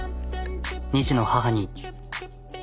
２児の母に。